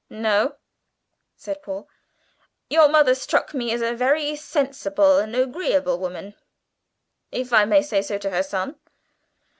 "No," said Paul, "your mother struck me as a very sensible and agreeable woman if I may say so to her son."